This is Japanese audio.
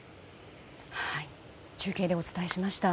中継でお伝えしました。